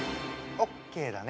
ＯＫだね。